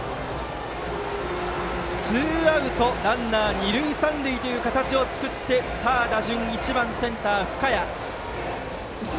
ツーアウトランナー、二塁三塁という形を作って打順は１番、センターの深谷。